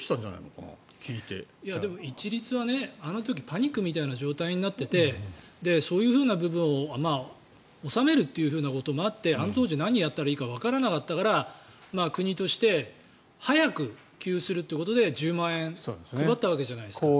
一律はあの時パニックみたいな状況になっていてそういう部分を収めるということもあってあの当時、何をやったらいいかわからなかったから国として早く給付するってことで１０万円配ったわけじゃないですか。